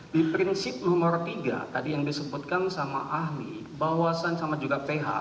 di prinsip nomor tiga tadi yang disebutkan sama ahli bawasan sama juga ph